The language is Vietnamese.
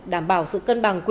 đảm bảo sự cân bằng